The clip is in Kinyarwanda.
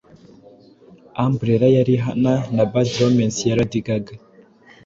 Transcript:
Umbrella ya Rihanna na Bad Romance ya Lady Gaga